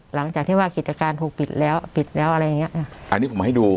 หลังจากที่ว่ากิจการถูกปิดแล้วปิดแล้วอะไรอย่างเงี้ยอันนี้ผมให้ดู